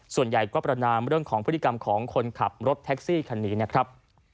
ส่วนใหญ่ก็ประนามพฤติกรรมของคนขับรถแท็กซี่ขั้นนี่นะครับ